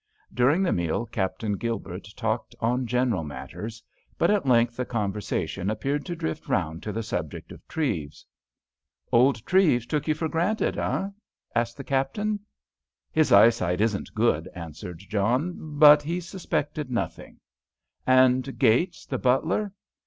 During the meal Captain Gilbert talked on general matters. But at length the conversation appeared to drift round to the subject of Treves. "Old Treves took you for granted, eh?" asked the Captain. "His eyesight isn't good," answered John, "but he suspected nothing." "And Gates, the butler?"